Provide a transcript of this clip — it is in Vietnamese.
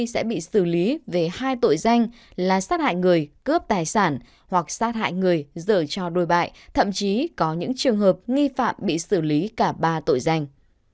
sẽ bị xử lý về hai tội danh là sát hại người cướp tài sản hoặc sát hại người dở cho đôi bại thậm chí có những trường hợp nghi phạm bị xử lý cả ba tội danh